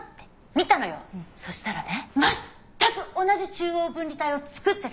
そしたらね全く同じ中央分離帯を造ってたの！